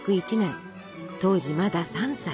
当時まだ３歳。